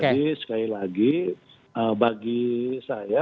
jadi sekali lagi bagi saya